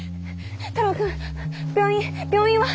太郎君病院病院は？